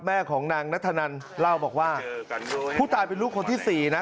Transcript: แม่ของนางนัทธนันเล่าบอกว่าผู้ตายเป็นลูกคนที่สี่นะ